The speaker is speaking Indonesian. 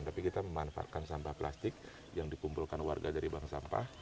tapi kita memanfaatkan sampah plastik yang dikumpulkan warga dari bank sampah